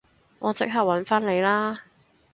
我即刻搵返你啦